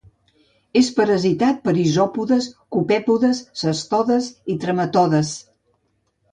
És parasitat per isòpodes, copèpodes, cestodes i trematodes.